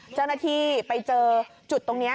เจ้าหน้าที่ไปเจอจุดตรงนี้